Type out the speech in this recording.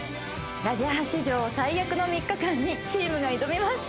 ラジハ史上最悪の３日間にチームが挑みます。